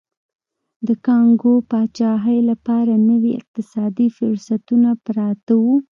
د کانګو پاچاهۍ لپاره نوي اقتصادي فرصتونه پراته وو.